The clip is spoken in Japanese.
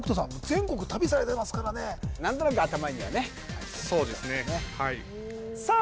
全国旅されてますからね何となく頭にはねそうですねはいさあ